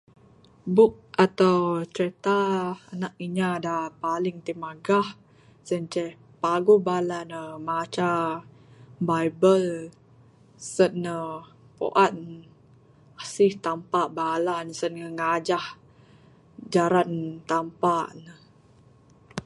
Book ato crita anak inya da paling timagah sien ceh paguh bala ne maca bible sen ne puan asih Tampa bala ne sen ne ngajah jaran Tampa ne.